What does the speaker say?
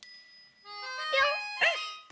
ぴょん！